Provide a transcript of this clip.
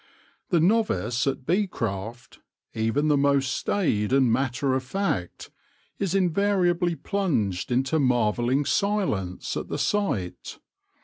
The novice at bee craft, even the most staid and matter of fact, is invariably plunged into marvelling silence at the sight.